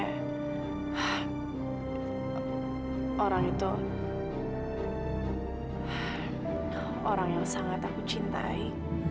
hah orang itu orang yang sangat aku cintai